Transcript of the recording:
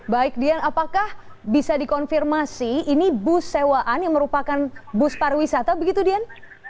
baik dian apakah bisa dikonfirmasi ini bus sewaan yang merupakan bus pariwisata begitu dian